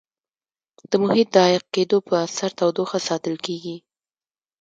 د محیط د عایق کېدو په اثر تودوخه ساتل کیږي.